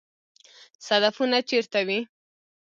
صدفونه چیرته وي؟